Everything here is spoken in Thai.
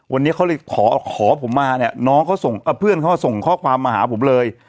วันนี้เขาเลยขอผมมาเนี่ยน้องเขาส่งเพื่อนเขาส่งข้อความมาหาผมเลย